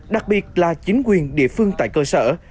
đặc biệt là chính quyền địa phương tại cơ sở